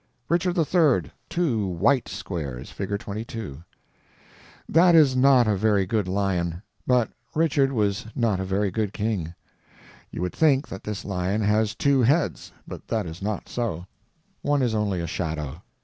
Richard III.; two _white _squares. (Fig. 22.) That is not a very good lion, but Richard was not a very good king. You would think that this lion has two heads, but that is not so; one is only a shadow.